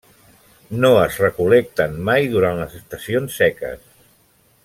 No es recol·lecten mai durant les estacions seques.